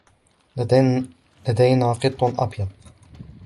لدينا قط أبيض.